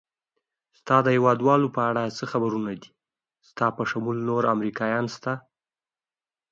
ستا د هېوادوالو په اړه څه خبرونه دي؟ ستا په شمول نور امریکایان شته؟